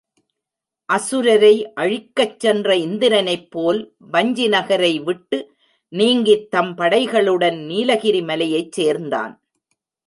அசுரரை அழிக்கச் சென்ற இந்திரனைப் போல் வஞ்சி நகரை விட்டு நீங்கித் தம் படைகளுடன் நீலகிரி மலையைச் சேர்ந்தான்.